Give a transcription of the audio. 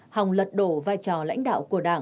hồng lật đổ vai trò lãnh đạo